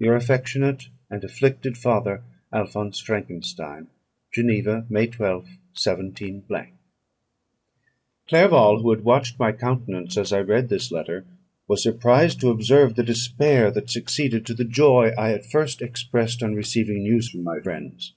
"Your affectionate and afflicted father, "ALPHONSE FRANKENSTEIN. "Geneva, May 12th, 17 ."Clerval, who had watched my countenance as I read this letter, was surprised to observe the despair that succeeded to the joy I at first expressed on receiving news from my friends.